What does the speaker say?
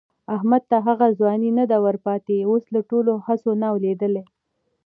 احمد ته هغه ځواني نه ده ورپاتې، اوس له ټولو هڅو نه لوېدلی دی.